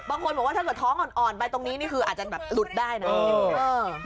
บางคนบอกว่าถ้าเศรษฐ์ท้องอนไปตรงนี้อาจลุดได้นะ